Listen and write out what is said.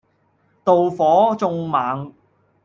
妒火縱猛